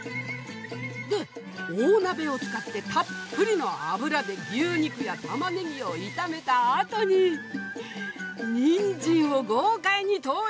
で大鍋を使ってたっぷりの油で牛肉やたまねぎを炒めたあとにニンジンを豪快に投入！